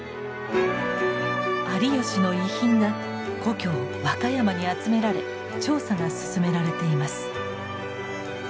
有吉の遺品が故郷和歌山に集められ調査が進められています。